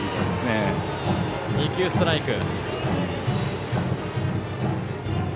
２球、ストライク。